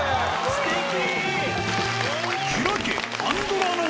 すてき。